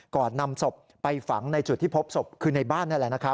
ก่อนนำศพไปฝังในจุดที่พบศพคือในบ้านนั่นแหละ